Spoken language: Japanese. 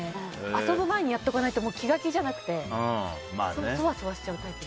遊ぶ前にやっておかないと気が気じゃなくてそわそわしちゃうタイプ。